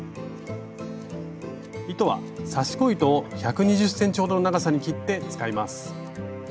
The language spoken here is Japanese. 糸は刺し子糸を１２０ｃｍほどの長さに切って使います。